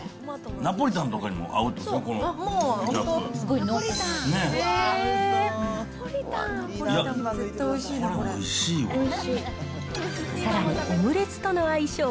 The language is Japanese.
ナポリタンとかにも合うでしょ？